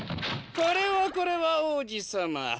これはこれは王子さま。